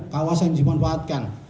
kawasan yang dimanfaatkan